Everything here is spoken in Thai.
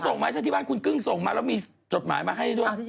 ส่งมาให้ฉันที่บ้านคุณกึ้งส่งมาแล้วมีจดหมายมาให้ด้วย